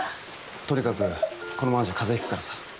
とにかくこのままじゃ風邪ひくからさ。